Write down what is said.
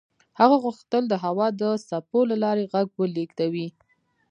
هغه غوښتل د هوا د څپو له لارې غږ ولېږدوي.